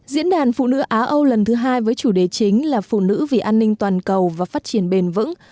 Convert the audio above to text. diễn đàn phụ nữ á âu lần thứ hai với chủ đề chính là phụ nữ vì an ninh toàn cầu và phát triển bền vững